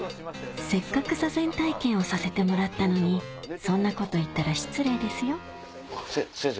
せっかく坐禅体験をさせてもらったのにそんなこと言ったら失礼ですよ先生！